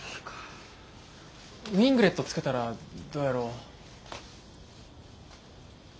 ウィングレットつけたらどやろ？